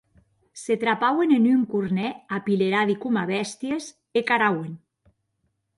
Se trapauen en un cornèr apileradi coma bèsties e carauen.